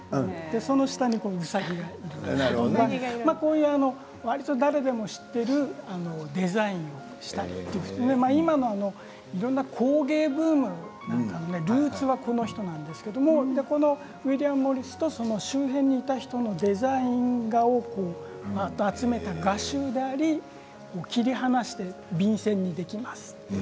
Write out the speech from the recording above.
その下にうさぎがいてこういうわりと誰でも知っているデザインをしたりとか今もいろいろな工芸ブームなんかのルーツはこの人なんですけれどこのウィリアム・モリスと周辺にいた人のデザイン画を集めた画集であり切り離して便箋にできます。